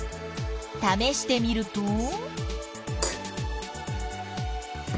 ためしてみると？